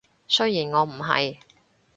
雖然我唔係